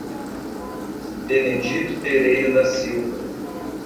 Benedito Pereira da Silva